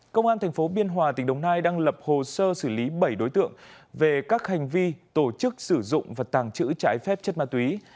công an tp biên hòa tỉnh đồng nai đang lập hồ sơ xử lý bảy đối tượng về các hành vi tổ chức sử dụng và tàng trữ trái phép chất ma túy